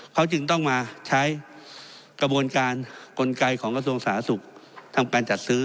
เขาจึงต้องมาใช้กระบวนการกลไกของกระทรวงสาธารณสุขทำการจัดซื้อ